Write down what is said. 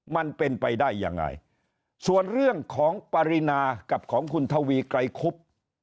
มันเป็นไปได้ยังไงส่วนเรื่องของปรินากับของคุณทวีไกรคุบ